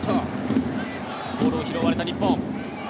ボールを拾われた日本。